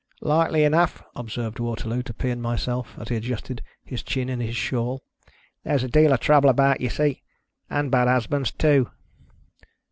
"Likely enough," observed Waterloo to Pea and myself, as he adjusted his chin in his shawl. " There's a deal of trouble about, you see — and bad husbands too